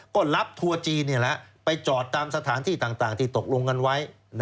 ก็รับทัวร์จีนไปจอดตามสถานที่ต่างที่ตกลงกันไว้